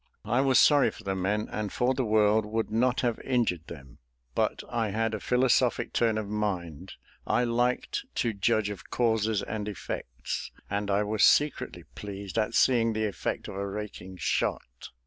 I was sorry for the men, and, for the world, would not have injured them; but I had a philosophic turn of mind; I liked to judge of causes and effects; and I was secretly pleased at seeing the effect of a raking shot.